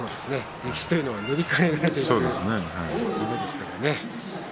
歴史というのは塗り替えられていくものですからね。